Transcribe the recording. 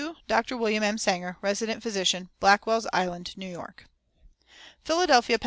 "To Dr. WM. W. SANGER, Resident Physician, Blackwell's Island, New York." PHILADELPHIA, PA.